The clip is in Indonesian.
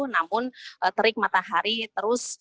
namun terik matahari terus